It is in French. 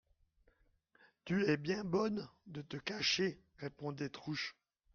Tu es bien bonne de te cacher, répondait Trouche.